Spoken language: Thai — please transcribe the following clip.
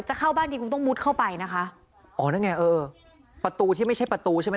เข้าบ้านดีคุณต้องมุดเข้าไปนะคะอ๋อนั่นไงเออประตูที่ไม่ใช่ประตูใช่ไหม